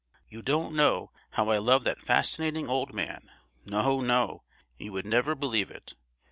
You don't know how I love that fascinating old man. No, no! You would never believe it.